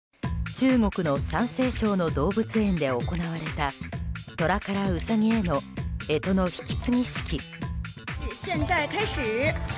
中国の山西省の動物園で行われたトラからウサギへの干支の引き継ぎ式。